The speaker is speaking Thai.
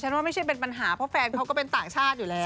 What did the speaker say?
ว่าไม่ใช่เป็นปัญหาเพราะแฟนเขาก็เป็นต่างชาติอยู่แล้ว